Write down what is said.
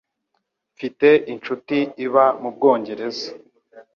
Mfite inshuti iba mu Bwongereza.